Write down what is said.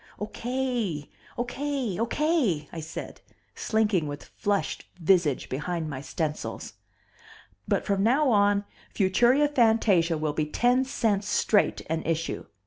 "Okay, okay, okay," I said, slinking with flushed visage behind my stencils. "But from now on Futuria Fantasia will be ten cents straight an issue.